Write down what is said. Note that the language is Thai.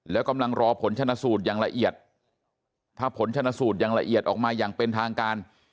แล้วกำลังรอผลชนะสูตรอย่างละเอียดถ้าผลชนสูตรอย่างละเอียดออกมาอย่างเป็นทางการ